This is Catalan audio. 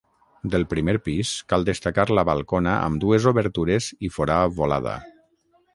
Del primer pis, cal destacar la balcona amb dues obertures i forà volada.